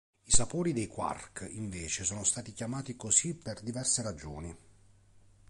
I sapori dei quark invece sono stati chiamati così per diverse ragioni.